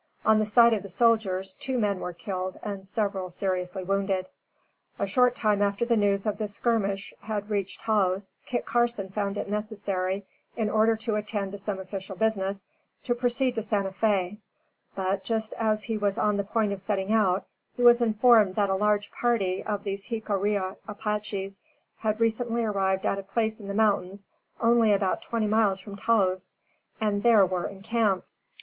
On the side of the soldiers, two men were killed and several seriously wounded. A short time after the news of this skirmish had reached Taos, Kit Carson found it necessary, in order to attend to some official business, to proceed to Santa Fé; but, just as he was on the point of setting out, he was informed that a large party of these Jiccarilla Apaches had recently arrived at a place in the mountains only about twenty miles from Taos, and were there encamped.